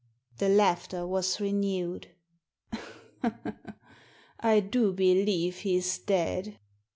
The laughter was renewed. " I do believe he's dead.